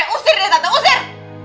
usir deh tante usir